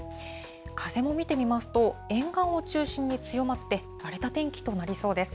風も見てみますと、沿岸を中心に強まって、荒れた天気となりそうです。